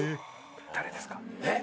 誰ですか？